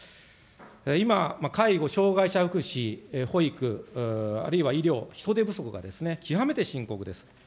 今、介護、障害者福祉、保育、あるいは医療、人手不足が極めて深刻です。